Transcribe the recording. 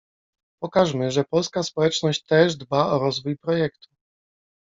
pokażmy, że polska społeczność też dba o rozwój projektu!